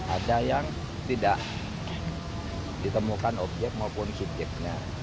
ada yang tidak ditemukan objek maupun subjeknya